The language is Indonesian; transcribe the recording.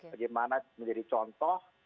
bagaimana menjadi contoh